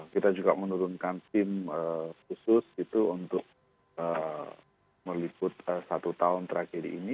kita juga menurunkan tim khusus untuk meliput satu tahun terakhir ini